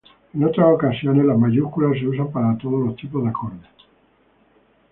En otras ocasiones, las mayúsculas se usan para todos los tipos de acorde.